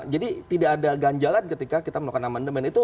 jadi tidak ada ganjalan ketika kita melakukan aman demand